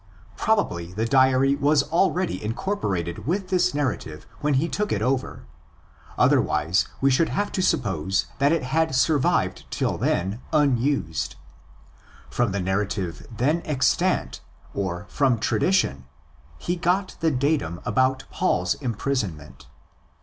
Probably the diary was already incorporated with this narrative when he took it over; otherwise we should have to suppose that it had survived till then unused. From the narrative then extant or from tradition he got the datum about Paul's imprisonment.